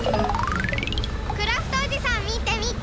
クラフトおじさんみてみて。